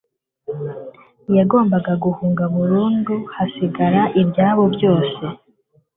yagombaga guhunga burundu, hasigara ibyabo byose